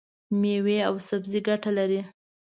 مېوې او سبزي ګټه لري.